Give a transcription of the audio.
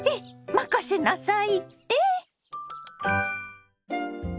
任せなさいって？